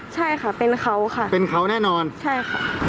ใช่ค่ะเป็นเขาค่ะเป็นเขาแน่นอนใช่ค่ะ